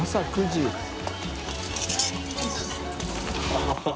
ハハハ